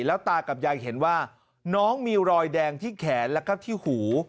แล้วตากับยายเห็นว่าน้องมีรอยแดงที่แขนแล้วก็ที่หู